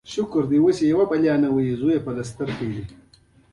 د ازتېک او اینکا سترو تمدنونو ته یې ځای ورکړی و.